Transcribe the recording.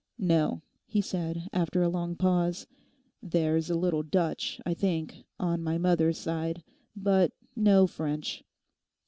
'No,' he said, after a long pause, 'there's a little Dutch, I think, on my mother's side, but no French.